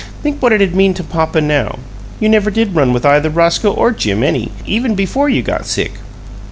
Think what it'd meant to papa now! You never did run with either Roscoe or Jim any, even before you got sick.